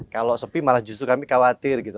kalau sepi malah justru kami khawatir gitu